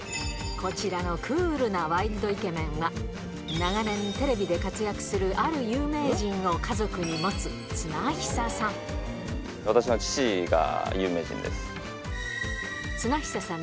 こちらのクールなワイルドイケメンは、長年、テレビで活躍するある有名人を家族に持つ綱久さん。